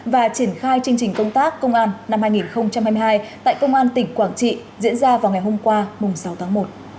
và triển khai chương trình công tác công an năm hai nghìn hai mươi hai tại công an tỉnh quảng trị diễn ra vào ngày hôm qua sáu tháng một